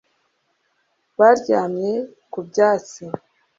baryamye ku byatsi